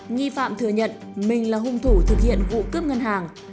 nghi phạm thừa nhận mình là hung thủ thực hiện vụ cướp ngân hàng